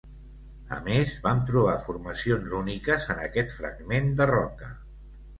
A més, vam trobar formacions úniques en aquest fragment de roca.